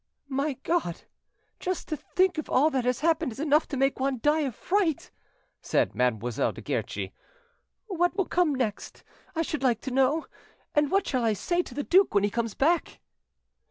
"My God! Just to think of all that has happened is enough to make one die of fright!" said Mademoiselle de Guerchi. "What will come next, I should like to know? And what shall I say to the duke when he comes back?"